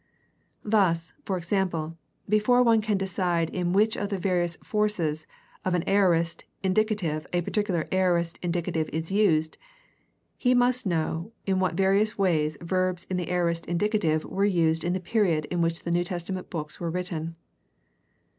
Thus, for example, before one can decide in which of the various forces of an aorist indicative a particular aorist indicative is used, he must know in what various ways verbs in the aorist indicative were used in the period in which the New Testament books were written.